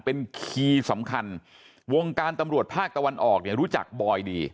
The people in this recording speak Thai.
เป็นคีย์สำคัญวงการตำรวจภาคตะวันออกเนี่ยรู้จักบอยดี